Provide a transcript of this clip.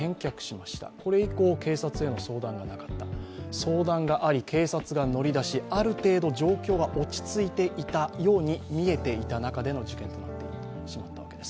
相談があり、警察が乗り出し、ある程度、状況が落ち着いていたように見えていた中での事件です。